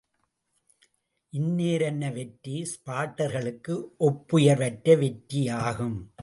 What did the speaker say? இன்னேரன்ன வெற்றி ஸ்பாட்டர்களுக்கு ஒப்புயர் வற்ற வெற்றியாகும்.